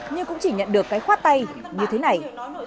nhưng cũng chỉ nhận được cái khoát tay như thế này